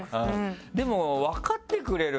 でも分かってくれるね